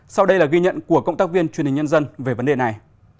sau đây là ghi nhận của cộng tác viên truyền hình nhân dân về vấn đề này